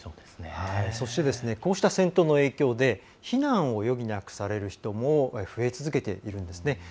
そしてこうした戦闘の影響で避難を余儀なくされる人も増え続けているんですね。